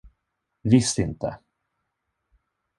Visst inte!